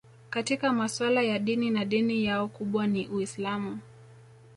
Katika masuala ya dini na dini yao kubwa ni Uislamu